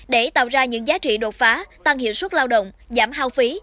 để tạo ra những giá trị đột phá tăng hiệu suất lao động giảm hao phí